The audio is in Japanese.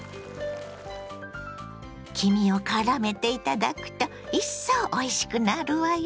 黄身をからめていただくと一層おいしくなるわよ。